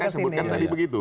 saya sebutkan tadi begitu